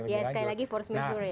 sekali lagi force majeure ya